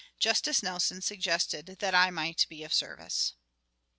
Justice Nelson suggested that I might be of service."